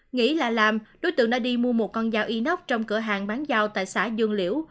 nghĩ là làm đối tượng đã đi mua một con dao inox trong cửa hàng bán giao tại xã dương liễu